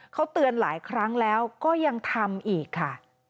เขาเตือนหลายครั้งแล้วก็ยังทำอีกค่ะ